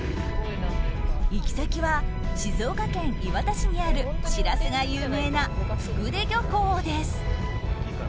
行き先は静岡県磐田市にあるシラスが有名な福田漁港です。